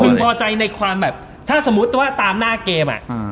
คุณพอใจในความแบบถ้าสมมุติว่าตามหน้าเกม